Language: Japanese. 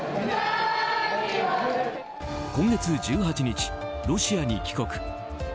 今月１８日、ロシアに帰国。